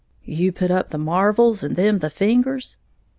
"You put up the marvles and them the fingers?"